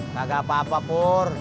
gak apa apa pur